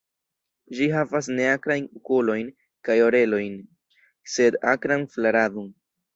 Ĝi havas neakrajn okulojn kaj orelojn, sed akran flaradon.